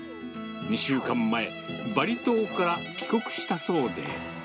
２週間前、バリ島から帰国したそうで。